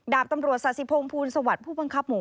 ดาบตำรวจสาธิพงศ์ภูลสวัสดิ์ผู้บังคับหมู่